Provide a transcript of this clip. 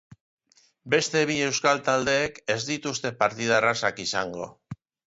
Beste bi euskal taldeek ez dituzte partida errazak izando.